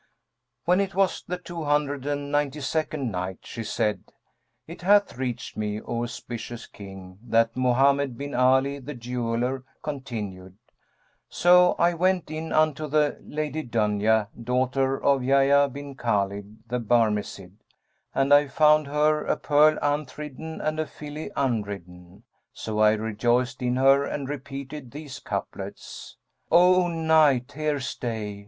When it was the Two Hundred and Ninety second Night, She said, It hath reached me, O auspicious King, that Mohammed bin Ali the Jeweller continued: "So I went in unto the Lady Dunya, daughter of Yahya bin Khбlid the Barmecide, and I found her a pearl unthridden and a filly unridden. So I rejoiced in her and repeated these couplets, 'O Night here stay!